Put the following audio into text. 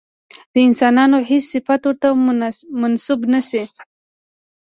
د انسانانو هېڅ صفت ورته منسوب نه شي.